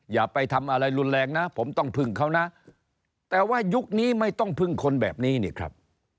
อย่าไปทำอะไรรุนแรงนะผมต้องพึ่งเขานะแต่ว่ายุคนี้ไม่ต้องพึ่งคนแบบนี้นี่ครับ